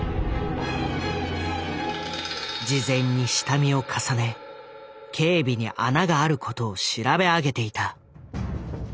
事前に下見を重ね警備に穴があることを調べ上げていた。